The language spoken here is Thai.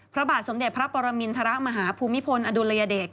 พระบาทสมเด็จพระปรมินทรมาฮภูมิพลอดุลยเดช